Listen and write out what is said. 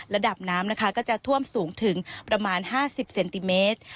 ระดับน้ำนะคะก็จะท่วมสูงถึงประมาณ๕๐เซนติเมตร